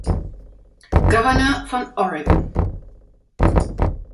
Gouverneur von Oregon.